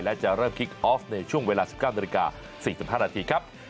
และจะเริ่มคิกออฟในช่วงเวลา๑๙นาฬิกา๔๕นาทีครับ